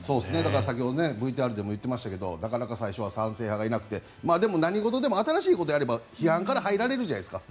先ほどＶＴＲでも言ってましたがなかなか最初は賛成派がいなくてでも何事も新しいことをやれば批判から入られるじゃないですか。